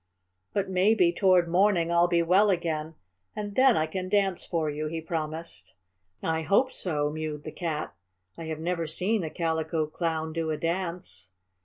"But maybe, toward morning, I'll be well again, and then I can dance for you," he promised. "I hope so," mewed the Cat. "I have never seen a Calico Clown do a dance."